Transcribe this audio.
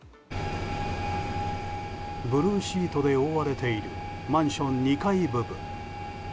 ブルーシートで覆われているマンション２階部分。